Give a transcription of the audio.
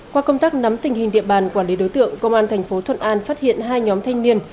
qua công tác nắm tình hình địa bàn quản lý đối tượng công an thành phố thuận an phát hiện hai nhóm thanh niên